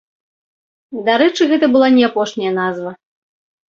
Дарэчы, гэта была не апошняя назва.